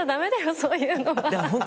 そういうのは。